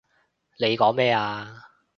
你講咩啊？